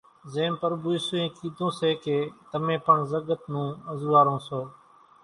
زيم پرڀُو اِيسُوئين ڪي سي ڪي تمين پڻ زڳت نون انزوئارون سو